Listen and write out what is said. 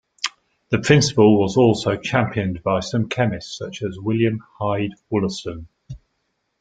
The principle was also championed by some chemists such as William Hyde Wollaston.